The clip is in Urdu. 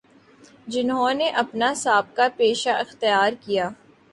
جنہوں نے اپنا سا بقہ پیشہ اختیارکیا